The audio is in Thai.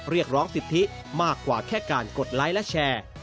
เรียกร้องสิทธิมากกว่าแค่การกดไลค์และแชร์